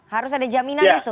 harus ada jaminan itu